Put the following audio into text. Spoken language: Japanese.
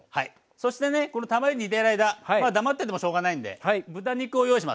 そしてねこのたまねぎ煮てる間黙っててもしょうがないんで豚肉を用意します。